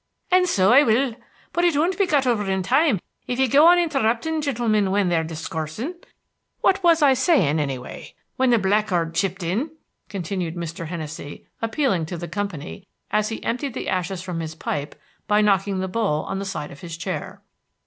"An' so I will; but it won't be got over in time, if ye go on interruptin' gintlemen when they're discoorsin'. What was I sayin', any way, when the blackguard chipped in?" continued Mr. Hennessey, appealing to the company, as he emptied the ashes from his pipe by knocking the bowl in the side of his chair.